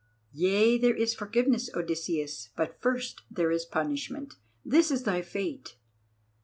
"Yea, there is forgiveness, Odysseus, but first there is punishment. This is thy fate.